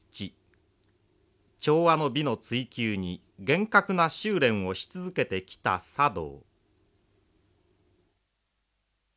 調和の美の追求に厳格な修練をし続けてきた茶道。